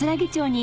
に